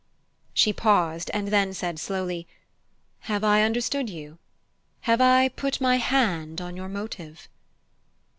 _" She paused, and then said slowly: "Have I understood you? Have I put my hand on your motive?"